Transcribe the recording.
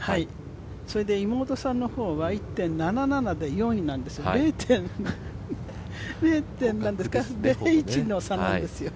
妹さんの方は１．７７で４位なんですよ０．０１の差なんですよね。